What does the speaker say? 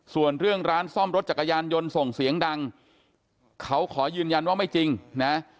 ส่วนเรื่องร้านซ่อมรถจักรยานยนต์ส่งเสียงดังเขาขอยืนยันว่าไม่จริงนะ